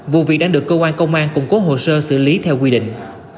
vụ việc đang được cơ quan công an củng cố hồ sơ xử lý theo quy định